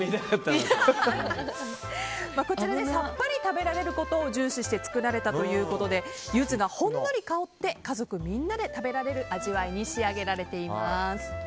こちらさっぱり食べられることを重視して作られたということでゆずがほんのり香って家族みんなで食べられる味わいに仕上げています。